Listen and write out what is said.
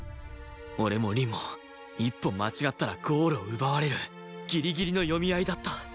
俺も凛も一歩間違ったらゴールを奪われるギリギリの読み合いだった